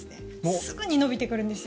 すぐに伸びてくるんですよ。